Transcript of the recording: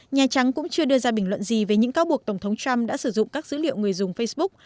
nhà trắng cũng chưa đưa ra bình luận gì về những cáo buộc tổng thống trump đã sử dụng các dữ liệu người dùng facebook